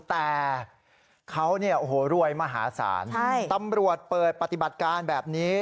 แต่เขาเนี่ยโอ้โหรวยมหาศาลตำรวจเปิดปฏิบัติการแบบนี้